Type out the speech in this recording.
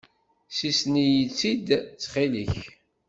Ssisen-iyi-tt-id ttxil-k.